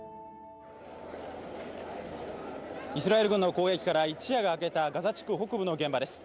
イスラエル軍の攻撃から一夜が明けたガザ地区北部の現場です。